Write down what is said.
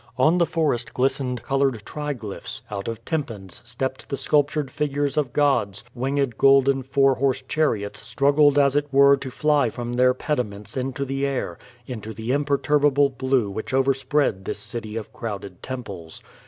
On the forest glistened colored triglyphs; out of tympans stepped the sculptured figures of gods, winged golden four horse chariots struggled as it were to fly from their pediments into the air — into the imperturbable blue which overspread this city of crowded temples.